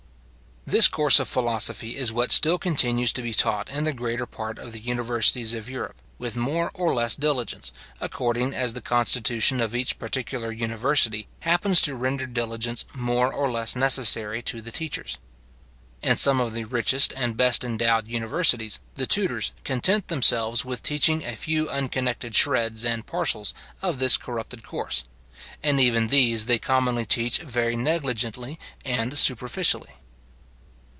This course of philosophy is what still continues to be taught in the greater part of the universities of Europe, with more or less diligence, according as the constitution of each particular university happens to render diligence more or less necessary to the teachers. In some of the richest and best endowed universities, the tutors content themselves with teaching a few unconnected shreds and parcels of this corrupted course; and even these they commonly teach very negligently and superficially.